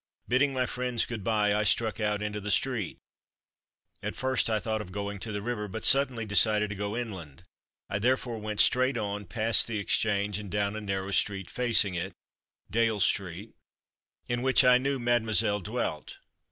Bidding my friends good bye I struck out into the street. At first I thought of going to the river, but suddenly decided to go inland. I therefore went straight on, passed the Exchange, and down a narrow street facing it (Dale street) in which I knew mademoiselle dwelt.